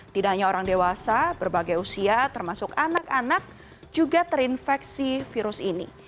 tidak hanya orang dewasa berbagai usia termasuk anak anak juga terinfeksi virus ini